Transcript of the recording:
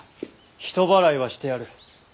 人払いはしてある。